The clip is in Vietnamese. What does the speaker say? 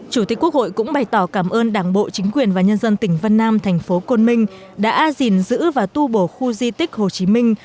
chủ tịch quốc hội cũng bày tỏ cảm ơn đảng bộ chính quyền và nhân dân tỉnh vân nam thành phố côn minh đã gìn giữ và tu bổ khu di tích hồ chí minh